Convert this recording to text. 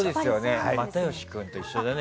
又吉君と一緒だね。